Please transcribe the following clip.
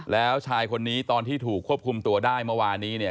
แล้วชายคนนี้ตอนที่ถูกควบคุมตัวได้เมื่อวานนี้เนี่ย